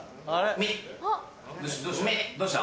どうした？